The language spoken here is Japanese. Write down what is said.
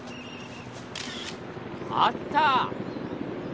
あった！